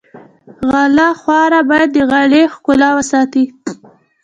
غاله خواره باید د غالۍ ښکلا وساتي.